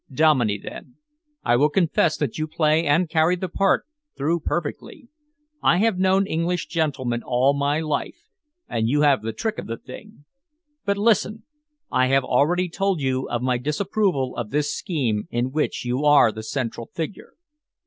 "Dominey, then. I will confess that you play and carry the part through perfectly. I have known English gentlemen all my life, and you have the trick of the thing. But listen. I have already told you of my disapproval of this scheme in which you are the central figure."